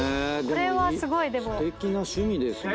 でもすてきな趣味ですね。